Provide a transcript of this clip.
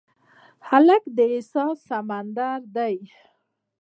هلک د احساس سمندر دی.